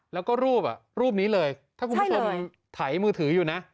แล้วก็รูปอ่ะรูปนี้เลยถ้าคุณผู้ชมถ่ายมือถืออยู่นะ